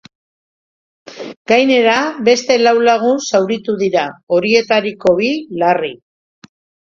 Gainera, beste lau lagun zauritu dira, horietako bi larri.